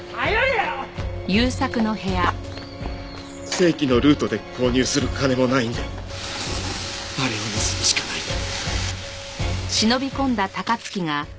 正規のルートで購入する金もないんであれを盗むしかないと。